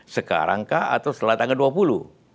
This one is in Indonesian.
sekarang kah atau setelah tanggal dua puluh